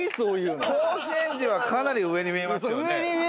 甲子園児はかなり上に見えますよね。